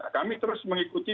kami terus mengikuti